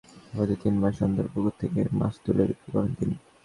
প্রতি তিন মাস অন্তর পুকুর থেকে মাছ তুলে বিক্রি করেন তিনি।